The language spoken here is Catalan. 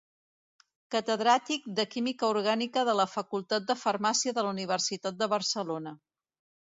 Catedràtic de Química Orgànica de la Facultat de Farmàcia de la Universitat de Barcelona.